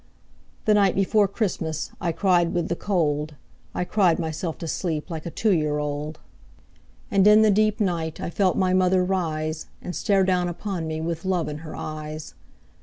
The night before Christmas I cried with the cold, I cried myself to sleep Like a two year old. And in the deep night I felt my mother rise, And stare down upon me With love in her eyes.